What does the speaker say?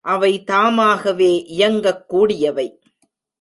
அவை தாமாகவே இயங்கக் கூடியவை.